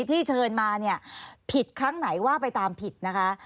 ที่เชิญมาเนี่ยผิดครั้งไหนว่าไปตามผิดนะคะ